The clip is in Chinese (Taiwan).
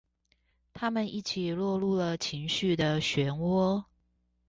他們一起落入了情緒的旋渦